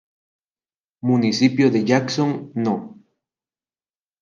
Municipio de Jackson No.